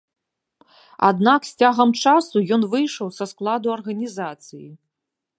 Аднак з цягам часу ён выйшаў са складу арганізацыі.